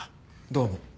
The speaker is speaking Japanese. どうも。